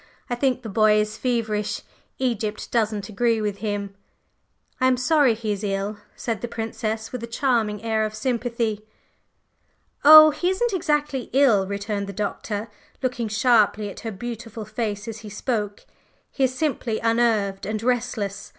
I think the boy is feverish. Egypt doesn't agree with him." "I am sorry he is ill," said the Princess with a charming air of sympathy. "Oh, he isn't exactly ill," returned the Doctor, looking sharply at her beautiful face as he spoke. "He is simply unnerved and restless.